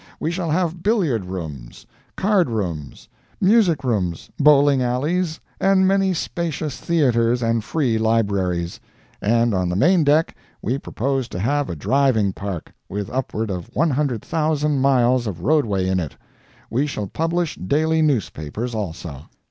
We shall have billiard rooms, card rooms, music rooms, bowling alleys and many spacious theaters and free libraries; and on the main deck we propose to have a driving park, with upward of 100,000 miles of roadway in it. We shall publish daily newspapers also.